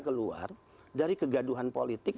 keluar dari kegaduhan politik